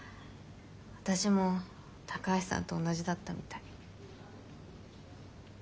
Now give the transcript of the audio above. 私も高橋さんと同じだったみたい。